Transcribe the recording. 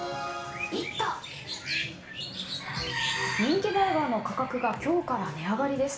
人気バーガーの価格が今日から値上がりです。